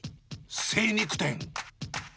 精肉店。